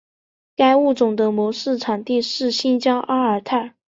该物种的模式产地在新疆阿尔泰。